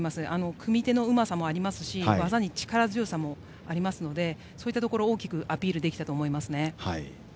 組み手のうまさ技に力強さもありますのでそういったところ大きくアピールできたと思いますね。